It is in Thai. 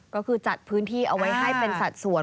ก็คือจัดพื้นที่เอาไว้ให้เป็นสัดส่วน